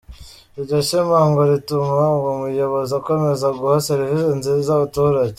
Iryo shema ngo rituma uwo muyobozi akomeza guha serivisi nziza abaturage.